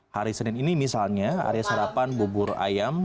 hari senin ini misalnya area sarapan bubur ayam